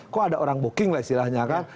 kok ada orang booking lah istilahnya kan